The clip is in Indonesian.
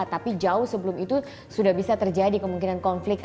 tapi jauh sebelum itu sudah bisa terjadi kemungkinan konflik